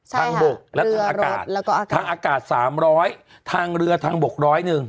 ทางบกและทางอากาศทางอากาศ๓๐๐ทางเรือทางบกร้อยหนึ่ง